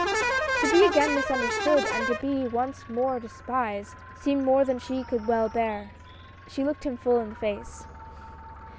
To be again misunderstood, and to be once more despised seemed more than she could well bear — she looked him full in the face.